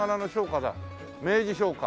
明治商家。